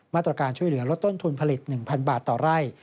มาตรการช่วยเหลือลดต้นทุนผลิต๑๐๐บาทต่อไร่